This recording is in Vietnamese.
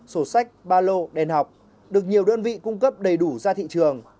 sổ sách ba lô đèn học được nhiều đơn vị cung cấp đầy đủ ra thị trường